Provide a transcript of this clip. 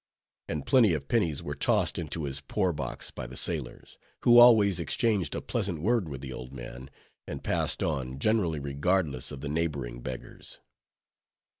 And plenty of pennies were tost into his poor box by the sailors, who always exchanged a pleasant word with the old man, and passed on, generally regardless of the neighboring beggars.